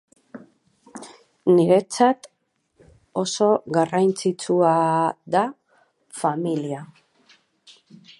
Eguneko informazioarekin zerikusia duten edukiak izan dira kontsumitzaileek gehien kontsultatu dituztenak.